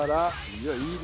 いやいいね！